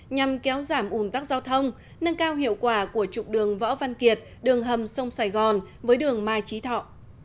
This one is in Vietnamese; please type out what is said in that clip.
nhằm kéo giảm ủn tắc giao thông nâng cao hiệu quả của trục đường võ văn kiệt đường hầm sông sài gòn với đường mai trí thọ